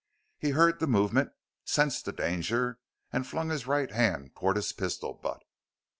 He heard the movement, sensed the danger, and flung his right hand toward his pistol butt.